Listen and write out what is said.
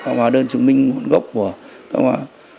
hóa đơn chứng minh nguồn gốc của